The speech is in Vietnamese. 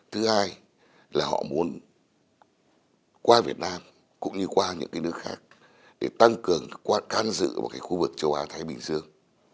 thứ hai là họ muốn qua việt nam cũng như qua những nước khác để tăng cường can dự một khu vực châu á thái bình dương